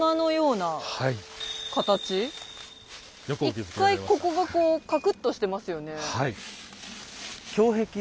一回ここがカクッとしていますよね。